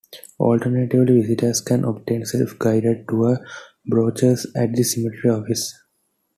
Alternatively, visitors can obtain self-guided tour brochures at the cemetery office.